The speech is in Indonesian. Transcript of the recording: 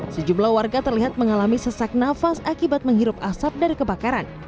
sejumlah warga terlihat mengalami sesak nafas akibat menghirup asap dari kebakaran